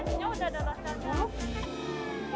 nasinya udah ada rasanya